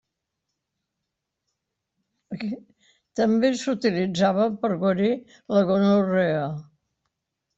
També s'utilitzava per guarir la gonorrea.